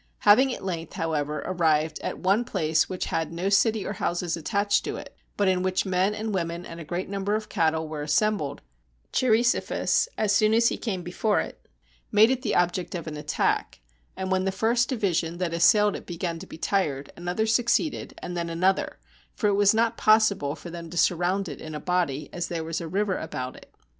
Having at length, however, arrived at one place which had no city or houses attached to it, but in which men and women and a great number of cattle were assembled, Cheirisophus, as soon as he came before it, made it the object of an attack; and when the first division that assailed it began to be tired, another succeeded, and then another; for it was not possible for them to surround it in a body, as there was a river about it.